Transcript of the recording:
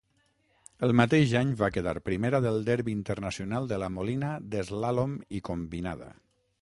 El mateix any va quedar primera del Derby Internacional de la Molina d’eslàlom i combinada.